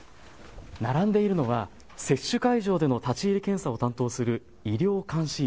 並んでいるのは接種会場での立ち入り検査を担当する医療監視員。